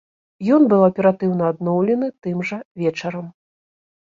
Ён быў аператыўна адноўлены тым жа вечарам.